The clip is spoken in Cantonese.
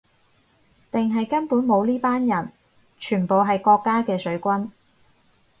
定係根本冇呢班人，全部係國家嘅水軍